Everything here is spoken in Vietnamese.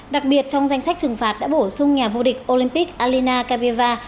đặc biệt trong danh sách trừng phạt đã bổ sung nhà vô địch olympic alina capeva